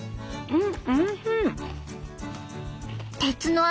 うん！